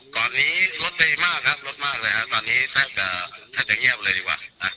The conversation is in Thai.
ก่อนนี้รถดีมากครับลดมากเลยครับตอนนี้แทบจะแทบจะเงียบเลยดีกว่านะ